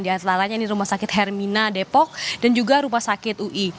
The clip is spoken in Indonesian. di antaranya ini rumah sakit hermina depok dan juga rumah sakit ui